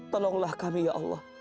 tolonglah kami ya allah